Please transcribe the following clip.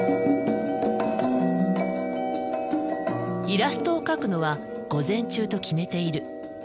イラストを描くのは午前中と決めている。